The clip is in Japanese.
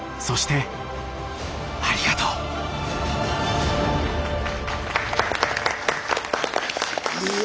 そしてありがとう。